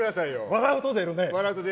笑うと出るね。